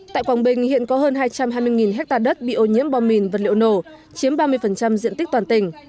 tại quảng bình hiện có hơn hai trăm hai mươi ha đất bị ô nhiễm bom mìn vật liệu nổ chiếm ba mươi diện tích toàn tỉnh